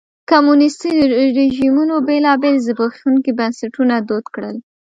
کمونیستي رژیمونو بېلابېل زبېښونکي بنسټونه دود کړل.